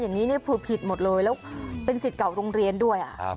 อย่างนี้เนี่ยคือผิดหมดเลยแล้วเป็นสิทธิ์เก่าโรงเรียนด้วยอ่ะอ่า